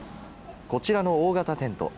こちらの大型テント。